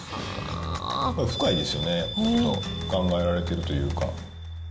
深いですよね、よく考えられているというか。